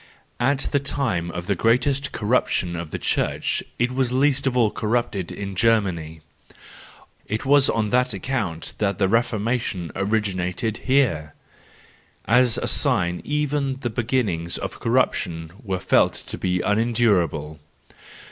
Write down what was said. '—At the time of the great corruption of the church it was least of all corrupt in Germany: it was on that account that the Reformation originated here, as a sign that even the beginnings of corruption were felt to be unendurable.